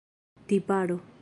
tiparo